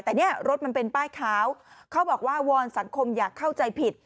แต่เนี่ยรถมันเป็นป้ายขาวเขาบอกว่าวอนสังคมอย่าเข้าใจผิด